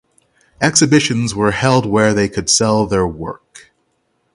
Exhibitions were held where they could sell their work.